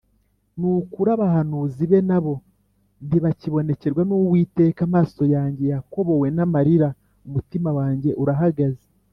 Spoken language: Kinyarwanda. Ni ukuri abahanuzi be na bo, Ntibakibonekerwa n’Uwiteka. Amaso yanjye yakobowe n’amarira, Umutima wanjye urahagaze.